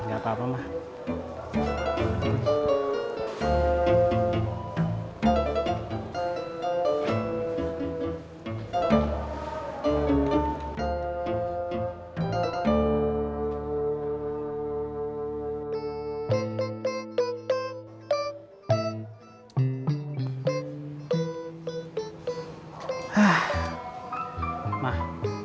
gak apa apa mah